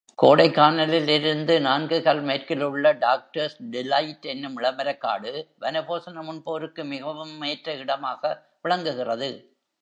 கோடைக்கானலிலிருந்து நான்கு கல் மேற்கிலுள்ள doctors delight என்னும் இளமரக்காடு, வனபோசனம் உண்போருக்கு மிகவும் ஏற்ற இடமாக விளங்குகிறது.